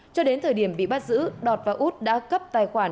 cho đến thời điểm bị bắt giữ đọt và út đã cấp tài khoản